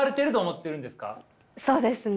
そうですね。